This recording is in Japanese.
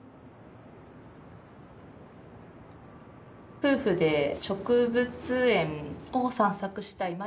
夫婦で植物園を散策したい。